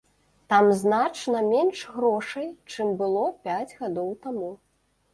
Там значна менш грошай, чым было пяць гадоў таму.